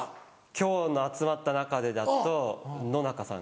今日の集まった中でだと野中さん。